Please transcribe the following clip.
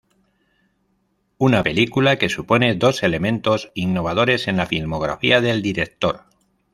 Una película que supone dos elementos innovadores en la filmografía del director.